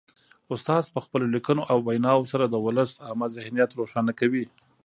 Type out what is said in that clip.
استاد په خپلو لیکنو او ویناوو سره د ولس عامه ذهنیت روښانه کوي.